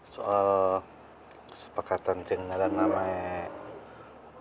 soal kesepakatan cing nelang namanya